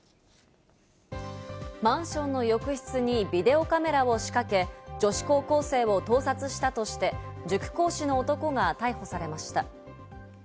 マンションの浴室にビデオカメラを仕掛け、女子高校生を盗撮したとして塾講師の男が逮捕されました。